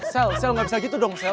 sel sel nggak bisa gitu dong sel